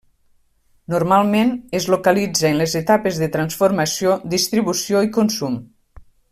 Normalment, es localitza a les etapes de transformació, distribució i consum.